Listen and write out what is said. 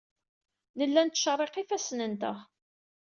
Nella nettcerriq ifassen-nteɣ.